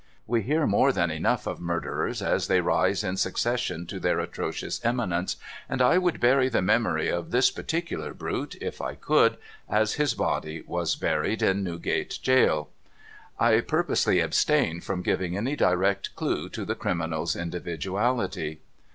\Ve hear more than enough of murderers as they rise in succession to their atrocious eminence, and I would bury the memory of this particular brute, if I could, as his body was buried, in Newgate Jail. I purposely abstain from giving any direct clue to the criminal's individuality.